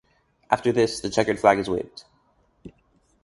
After this, the checkered flag is waved.